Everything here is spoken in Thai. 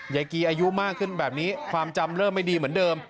ยายกีอายุมากขึ้นแบบนี้ความจำเริ่มไม่ดีเหมือนเดิม